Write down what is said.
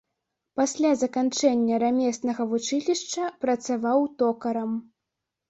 Пасля заканчэння рамеснага вучылішча працаваў токарам.